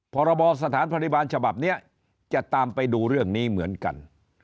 พรบสถานพยาบาลฉบับนี้จะตามไปดูเรื่องนี้เหมือนกัน